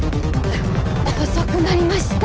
遅くなりました。